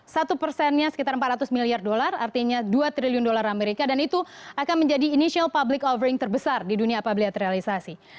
satu persennya sekitar empat ratus miliar dolar artinya dua triliun dolar amerika dan itu akan menjadi initial public offering terbesar di dunia public realisasi